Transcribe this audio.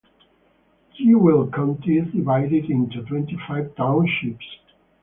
Jewell County is divided into twenty-five townships.